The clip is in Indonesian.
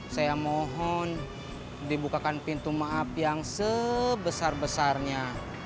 saya mohon dibukakan pintu maaf yang sebesar besarnya